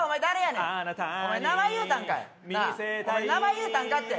なあ名前言うたんかって？